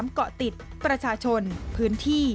เกาะติดประชาชนพื้นที่